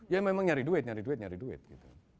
ya memang nyari duit nyari duit nyari duit gitu